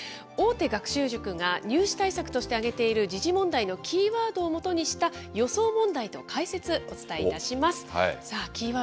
大手学習塾が入試対策として挙げている時事問題のキーワードを基にした予想問題と解説、お伝えいたします。